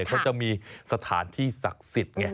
เขาจะมีสถานที่ศักดิ์สิทธิ์ไง